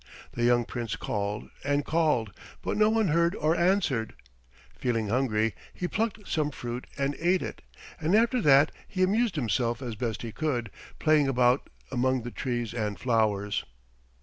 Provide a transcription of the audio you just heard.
The young prince called and called, but no one heard or answered. Feeling hungry, he plucked some fruit and ate it, and after that he amused himself as best he could, playing about among the trees and flowers.